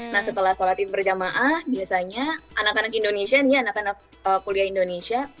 nah setelah sholat id berjamaah biasanya anak anak indonesia ini anak anak kuliah indonesia